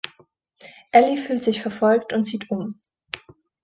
Allie fühlt sich verfolgt und zieht um.